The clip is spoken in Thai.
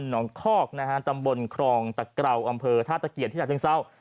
หนองคอกตำบลครองตะเกลาอำเภอท่าตะเกียรติธรรมทึงเศร้า